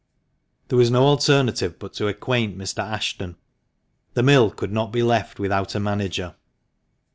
There was no alternative but to acquaint Mr. Ashton. The mill could not be left without a manager.